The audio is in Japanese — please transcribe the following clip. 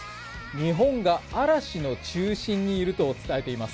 「日本が嵐の中心にいる」と伝えています。